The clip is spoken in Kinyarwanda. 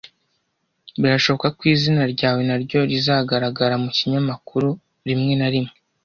birashoboka ko izina ryawe naryo rizagaragara mu kinyamakuru rimwe na rimwe.